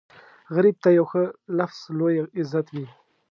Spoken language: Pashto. غریب ته یو ښه لفظ لوی عزت وي